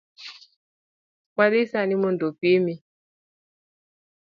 Wadhi sani mondo opimi